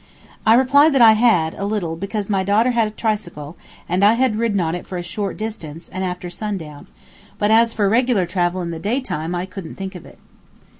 I replied that I had, a little, because my daughter had a tricycle, and I had ridden on it for a short distance and after sundown, but as for regular travel in the daytime I couldn't think of it.